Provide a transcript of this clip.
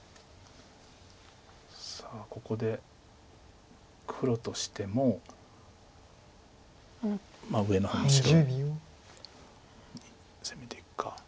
さあここで黒としても上の方の白に攻めていくか。